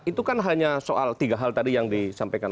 itu kan hanya soal tiga hal tadi yang disampaikan